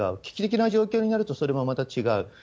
危機的な状況になると、それもまた違う。